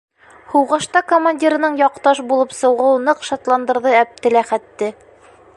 Һуғышта командирының яҡташ булып сығыуы ныҡ шатландырҙы Әптеләхәтте.